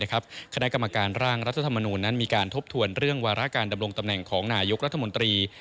คณะกรรมการร่างรัฐธรรมนูญนั้นมีการทบทวนเรื่องวาระการดำรงตำแหน่งของนายกรัฐมนตรี